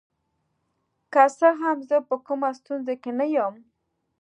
که څه هم زه په کومه ستونزه کې نه یم.